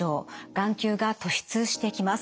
眼球が突出してきます。